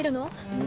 うん？